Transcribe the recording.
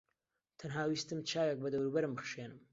تەنها ویستم چاوێک بە دەوروبەرم بخشێنم.